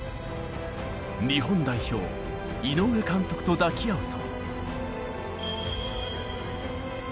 日本代表、井上監督と抱き合うと。